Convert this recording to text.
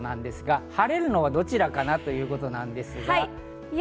晴れるのはどちらかな？ということですが。